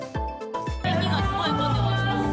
駅がすごい混んでました。